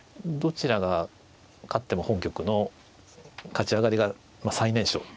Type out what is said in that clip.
どちらが勝っても本局の勝ち上がりが最年少。